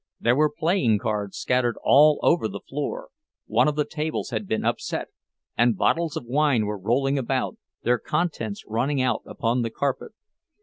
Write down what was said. There were playing cards scattered all over the floor—one of the tables had been upset, and bottles of wine were rolling about, their contents running out upon the carpet.